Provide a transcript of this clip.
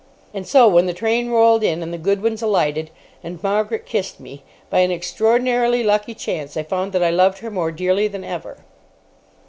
And so, when the train rolled in, and the Goodwins alighted, and Margaret kissed me, by an extraordinarily lucky chance I found that I loved her more dearly than ever.